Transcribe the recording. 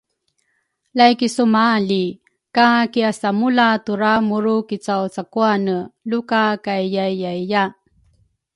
laikisumali ka kiasamula turamuru kicawcakuane lukakaiyaiyaiya